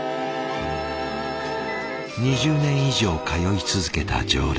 ２０年以上通い続けた常連。